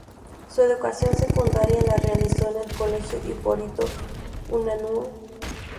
Su educación secundaria la realizó en el Colegio Hipólito Unanue.